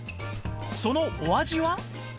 そのお味は？